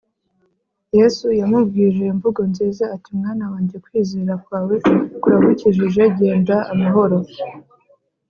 yesu yamubwije imvugo nziza ati: “mwana wanjye, kwizera kwawe kuragukijije, genda amahoro